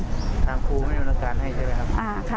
ถามครูไม่มีบริษัทให้ใช่ไหมครับ